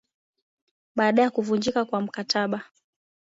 baada ya kuvunjika kwa mkataba